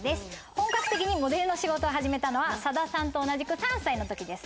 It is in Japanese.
本格的にモデルの仕事を始めたのは佐田さんと同じく３歳の時です。